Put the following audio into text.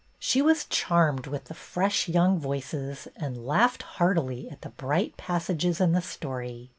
She was charmed with the fresh young voices and laughed heartily at the bright passages in the story.